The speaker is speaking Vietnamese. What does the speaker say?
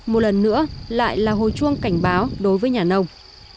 một lần nữa lại là hồi chuông cảnh báo đối với nhà nông